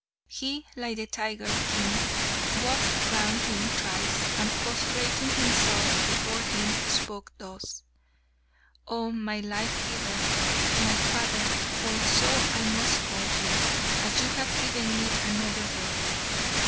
He, like the tiger king, walked round him thrice, and prostrating himself before him spoke thus: "Oh, my life giver, my father, for so I must call you, as you have given me another birth.